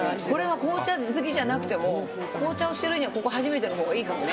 紅茶好きじゃなくても紅茶を知るにはここ、初めてのほうがいいかもね。